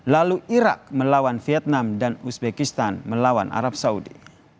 lalu irak melawan vietnam dan uzbekistan melawan arab saudi